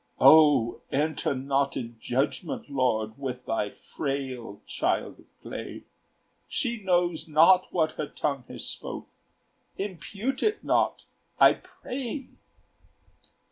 "O enter not in judgment, Lord, With thy frail child of clay! She knows not what her tongue has spoke; Impute it not, I pray!